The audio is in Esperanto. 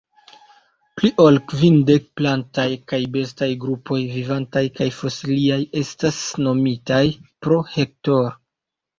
Pli ol kvindek plantaj kaj bestaj grupoj, vivantaj kaj fosiliaj, estas nomitaj pro Hector.